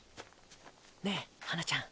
ねえハナちゃん。